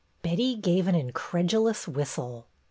Betty gave an incredulous whistle.